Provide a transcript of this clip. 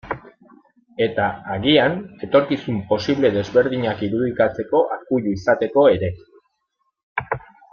Eta, agian, etorkizun posible desberdinak irudikatzeko akuilu izateko ere.